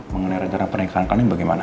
mengenai rencana pernikahan kami bagaimana